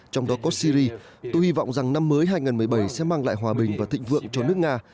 trong đó có syri tôi hy vọng rằng năm mới hai nghìn một mươi bảy sẽ mang lại hòa bình và thịnh vượng cho nước nga